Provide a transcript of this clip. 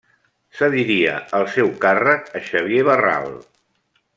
Cediria el seu càrrec a Xavier Barral.